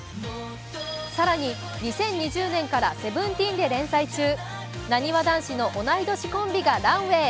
更に、２０２０年から「Ｓｅｖｅｎｔｅｅｎ」で連載中、なにわ男子の同い年コンビがランウェイ。